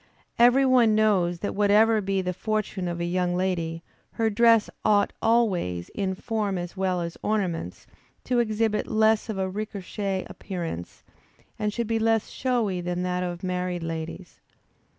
Every one knows that whatever be the fortune of a young lady, her dress ought always, in form as well as ornaments, to exhibit less of a recherché appearance and should be less showy than that of married ladies.